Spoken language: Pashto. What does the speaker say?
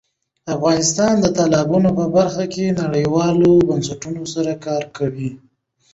افغانستان د تالابونه په برخه کې نړیوالو بنسټونو سره کار کوي.